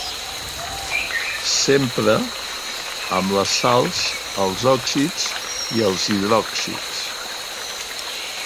S'empra amb les sals, els òxids i els hidròxids.